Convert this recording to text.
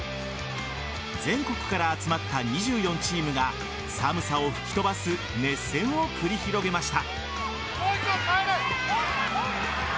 全国から集まった２４チームが寒さを吹き飛ばす熱戦を繰り広げました。